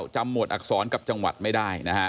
หมวดอักษรกับจังหวัดไม่ได้นะฮะ